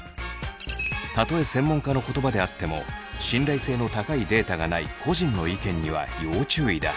たとえ専門家の言葉であっても信頼性の高いデータがない「個人の意見」には要注意だ。